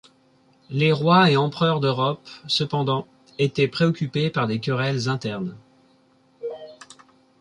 Les rois et empereurs d'Europe, cependant, étaient préoccupés par des querelles internes.